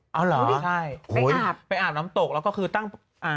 อ๋อเหรอไปอาบไปอาบน้ำตกแล้วก็คือตั้ง